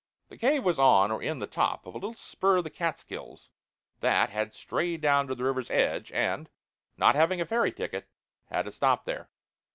The cave was on or in the top of a little spur of the Catskills that had strayed down to the river's edge, and, not having a ferry ticket, had to stop there.